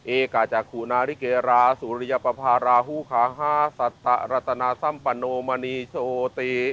เอกจากขุนาริเกราสุริยภพาราฮูขาฮาสัตตรัศนาสัมปโนมนีโชติ